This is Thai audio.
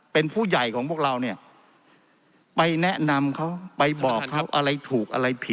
เป็นผู้ใหญ่ของพวกเราเนี่ยไปแนะนำเขาไปบอกเขาอะไรถูกอะไรผิด